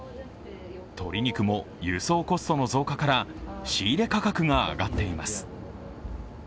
鶏肉も輸送コストの増加から、仕入れ価格が上がっています。